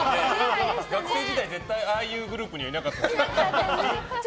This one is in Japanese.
学生時代、絶対ああいうグループにはいなかったでしょ。